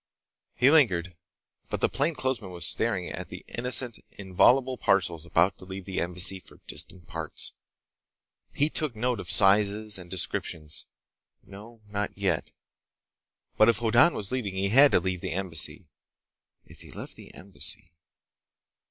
He lingered, but the plainclothesman was staring at the innocent, inviolable parcels about to leave the Embassy for distant parts. He took note of sizes and descriptions. No. Not yet. But if Hoddan was leaving he had to leave the Embassy. If he left the Embassy....